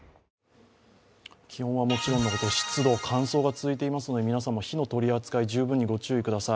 気温はもちろんのこと、湿度、乾燥が続いていますので皆さんも火の取り扱い、十分にご注意ください。